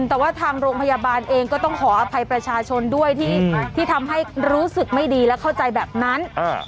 แต่ว่าทางโรงพยาบาลเองก็ต้องขออภัยประชาชนด้วยที่ทำให้รู้สึกไม่ดีและเข้าใจแบบนั้น